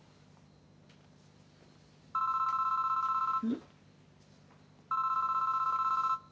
うん？